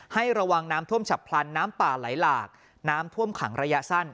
ให้ระวังน้ำท่วมฉับพลันน้ำป่าไหลหลากน้ำท่วมขังระยะสั้น